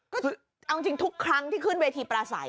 ก็เอาจริงทุกครั้งที่ขึ้นเวทีปราศัย